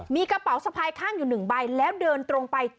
มีกระเป๋าสะพายข้างอยู่๑ใบแล้วเดินตรงไป